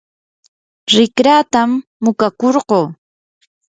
rikratam muqakurquu.